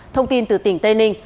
thông tin từ tỉnh tây ninh